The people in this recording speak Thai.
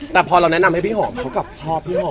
แต่พอเราแนะนำให้พี่หอมเขากลับชอบพี่หอม